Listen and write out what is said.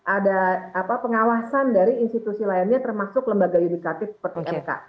ada pengawasan dari institusi lainnya termasuk lembaga unikatif seperti mk